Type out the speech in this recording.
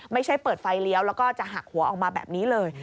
ไม่ใช่เปิดไฟเลี้ยวแล้วก็จะหักหัวออกมาแบบนี้เลย